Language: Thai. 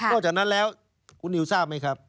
จากนั้นแล้วคุณนิวทราบไหมครับ